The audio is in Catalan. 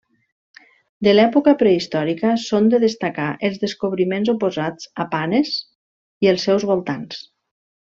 De l'època prehistòrica són de destacar els descobriments oposats a Panes i els seus voltants.